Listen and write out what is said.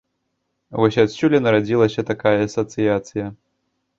Вось адсюль і нарадзілася такая асацыяцыя.